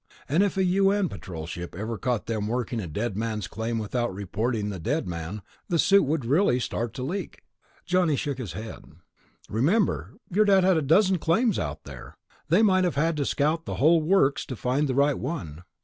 And if a U.N. Patrol ship ever caught them working a dead man's claim without reporting the dead man, the suit would really start to leak." Johnny shook his head. "Remember, your Dad had a dozen claims out there. They might have had to scout the whole works to find the right one.